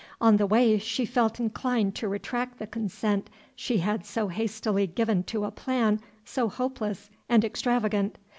On the way she felt inclined to retract the consent she had so hastily given to a plan so hopeless and extravagant.